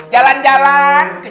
jalan jalan men